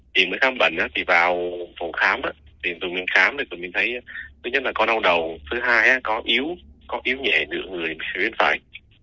khi khám bệnh thì vào phòng khám tụi mình khám thì tụi mình thấy thứ nhất là có đau đầu thứ hai là có yếu có yếu nhẹ nửa người bên phải